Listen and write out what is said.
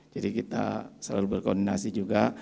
jadi kita selalu berkoordinasi juga